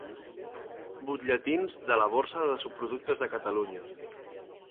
Butlletins de la Borsa de Subproductes de Catalunya.